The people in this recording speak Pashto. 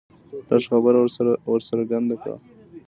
لږ خبره ور څرګنده کړه